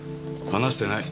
話してない？